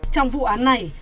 trong vụ án này